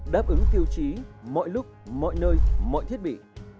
đáp ứng tiêu chí mọi lúc mọi nơi mọi thiết bị